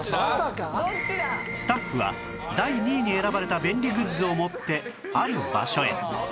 スタッフは第２位に選ばれた便利グッズを持ってある場所へ